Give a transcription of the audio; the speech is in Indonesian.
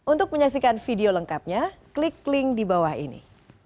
untuk menyaksikan video lengkapnya klik link di bawah ini